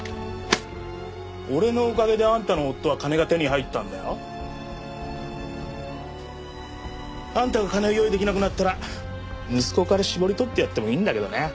俺のおかげであんたの夫は金が手に入ったんだよ？あんたが金を用意できなくなったら息子から搾り取ってやってもいいんだけどね。